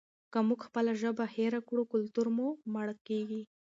که موږ خپله ژبه هېره کړو کلتور مو مړ کیږي.